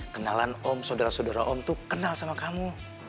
kenalan om sodara sodara om tuh kenal sama kamu